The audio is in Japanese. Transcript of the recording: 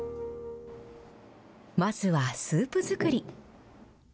まずはスープ作り。